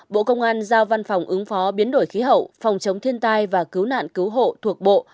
bộ công an giao văn phòng ứng phó biến đổi khí hậu phòng chống thiên tai và cứu nạn cứu hộ thuộc bộ